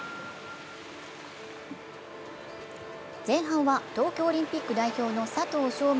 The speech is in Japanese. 前半は東京オリンピック代表の佐藤翔